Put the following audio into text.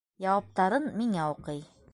Яуаптарын миңә уҡый.